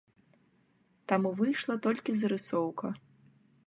Таму выйшла толькі зарысоўка.